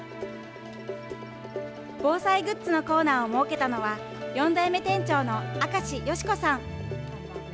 防災グッズのコーナーを設けたのは、４代目店長の明石佳子さん。